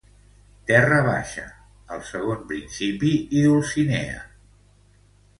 Terra Baixa, El Segon Principi i Dulcinea.